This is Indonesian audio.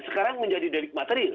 sekarang menjadi delik materil